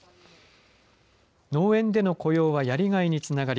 農園での雇用はやりがいにつながり